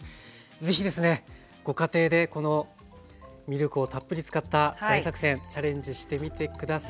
是非ですねご家庭でこのミルクをたっぷり使った大作戦チャレンジしてみて下さい。